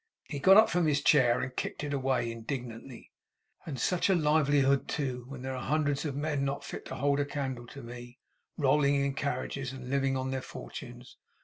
He got up from his chair, and kicked it away indignantly. 'And such a livelihood too! When there are hundreds of men, not fit to hold a candle to me, rolling in carriages and living on their fortunes.